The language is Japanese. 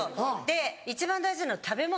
で一番大事なのは食べ物。